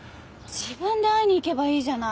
自分で会いに行けばいいじゃない。